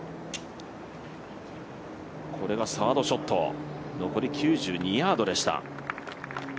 これがサードショット、残り９２ヤードでした。